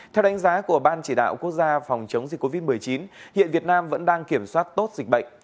theo đánh giá của ban chỉ đạo quốc gia phòng chống dịch covid một mươi chín hiện việt nam vẫn đang kiểm soát tốt dịch bệnh